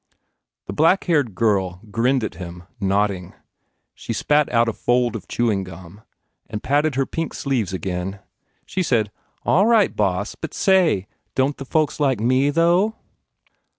The black haired girl grinned at him, nodding. She spat out a fold of chewing gum and patted her pink sleeves again. She said, U A11 right, boss, but, say, don t the folks like me, though?"